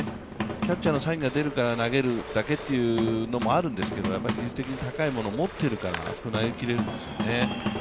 キャッチャーのサインが出るから投げるだけというのもあるんですけど技術的に高いものを持っているからあそこに投げきれるんですよね。